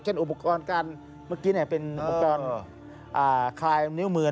อุปกรณ์การเมื่อกี้เป็นอุปกรณ์คลายนิ้วมือ